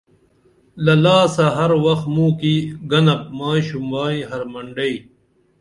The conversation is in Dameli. لہ لاسہ ہر وخ موں کی گھنپ مائی شوبائی ہرمنڈئی